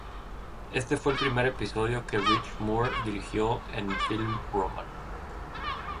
Este fue el primer episodio que Rich Moore dirigió en Film Roman.